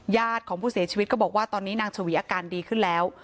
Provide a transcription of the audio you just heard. ญาติของผู้เสียชีวิตก็บอกว่าตอนนี้นางชวีอาการดีขึ้นแล้ว